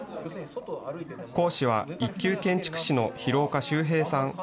講師は、一級建築士の廣岡周平さん。